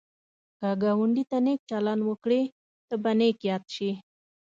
که ګاونډي ته نېک چلند وکړې، ته به نېک یاد شي